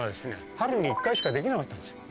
春に１回しかできなかったんです。